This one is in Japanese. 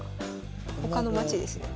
他の街ですね。